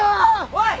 おい！